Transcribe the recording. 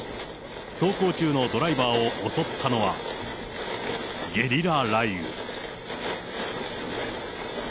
走行中のドライバーを襲ったのはゲリラ雷雨。